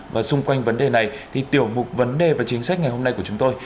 và xung quanh vấn đề này thì tiểu mục vấn đề và chính sách ngày hôm nay của chúng tôi